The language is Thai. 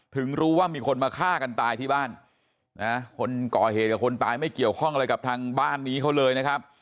ถึงรู้ว่ามีคนมาฆ่ากันตายที่บ้านนะคนก่อเหตุกับคนตายไม่เกี่ยวข้องอะไรกับทางบ้านนี้เขาเลยนะครับ